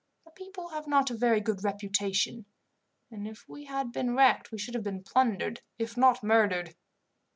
The people have not a very good reputation, and if we had been wrecked we should have been plundered, if not murdered.